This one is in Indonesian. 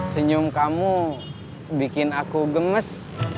senyum kamu bikin aku gemes